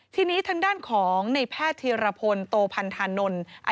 ทีนี้ทางด้านของในแพทย์ธีรพลโตพันธานนท์